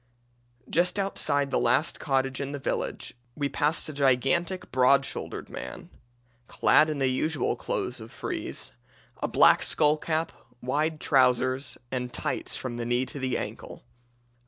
"Just outside the last cottage in the village we passed a gigantic, broad shouldered man, clad in the usual clothes of frieze, a black skullcap, wide trousers, and tights from the knee to the ankle.